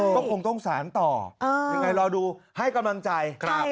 ก็คงต้องสารต่อยังไงรอดูให้กำลังใจ